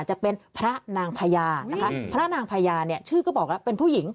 จะเป็นพระนางพญานะคะพระนางพญาเนี่ยชื่อก็บอกแล้วเป็นผู้หญิง